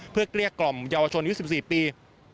เพื่อเกลี้ยกล่อมเยาวชนยุค๑๔ปี